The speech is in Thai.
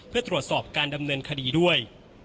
เพื่อตรวจสอบการดำเนินคดีด้วย